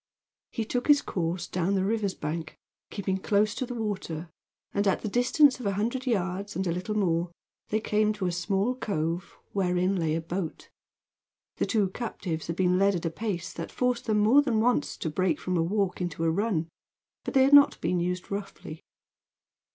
He took his course down the river's bank, keeping close to the water, and at the distance of a hundred yards and a little more they came to a small cove wherein lay a boat. The two captives had been led at a pace that forced them more than once to break from a walk into a run, but they had not been used roughly.